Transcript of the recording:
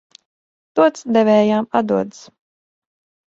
Dots devējām atdodas.